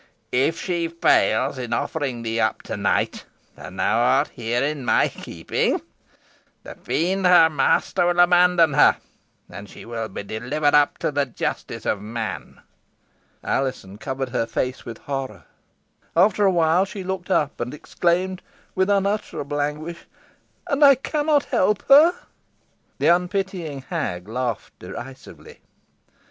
If she fails in offering thee up to night, and thou art here in my keeping, the Fiend, her master, will abandon her, and she will be delivered up to the justice of man." Alizon covered her face with horror. After awhile she looked up, and exclaimed, with unutterable anguish "And I cannot help her!" The unpitying hag laughed derisively.